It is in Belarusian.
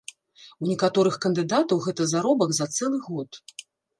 У некаторых кандыдатаў гэта заробак за цэлы год.